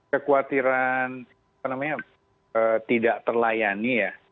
kekhawatiran apa namanya tidak terlayani ya